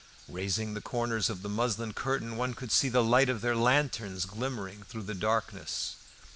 Raising the corners of the muslin curtain, one could see the light of their lanterns glimmering through the darkness.